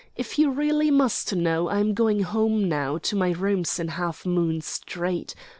If he really must know, I'm going home now, to my rooms in Halfmoon Street.